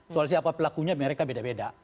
soal siapa pelakunya mereka beda beda